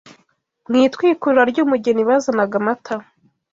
Mu itwikurura ry’umugeni bazanaga amata.